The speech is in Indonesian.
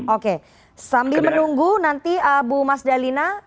oke sambil menunggu nanti bu mas dalina